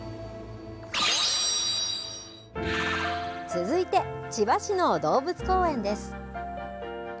続いて、千葉市の動物公園です。